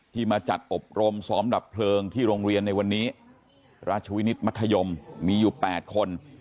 มาจัดอบรมซ้อมดับเพลิงที่โรงเรียนในวันนี้ราชวินิตมัธยมมีอยู่๘คน